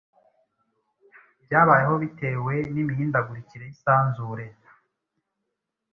byabayeho bitewe n’imihindagurikire y’Isanzure